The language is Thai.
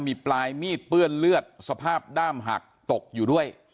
มีปลายมีดเปื้อนเลือดสภาพด้ามหักตกอยู่ด้วย